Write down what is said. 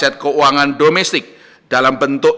berita terkini mengenai nilai tukar rupiah yang berbalik